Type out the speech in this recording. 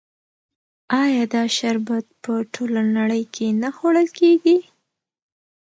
آیا دا شربت په ټوله نړۍ کې نه خوړل کیږي؟